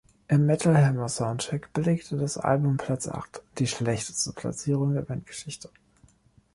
Im Metal-Hammer-Soundcheck belegte das Album Platz acht, die schlechteste Platzierung der Bandgeschichte.